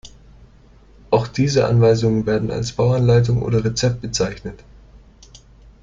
Auch diese Anweisungen werden als Bauanleitung oder Rezept bezeichnet.